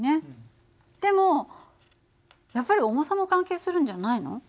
でもやっぱり重さも関係するんじゃないの？